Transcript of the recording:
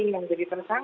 kan bukan dari dua orang